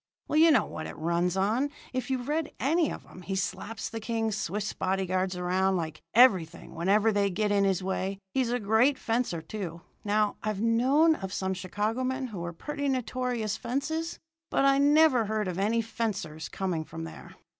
"Well, you know how it runs on, if you've read any of 'em he slaps the king's Swiss body guards around like everything whenever they get in his way. He's a great fencer, too. Now, I've known of some Chicago men who were pretty notorious fences, but I never heard of any fencers coming from there.